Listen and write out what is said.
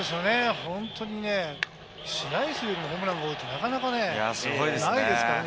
本当に試合数よりもホームランが多いって、なかなかないですからね。